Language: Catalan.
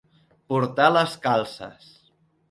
Portar les calces.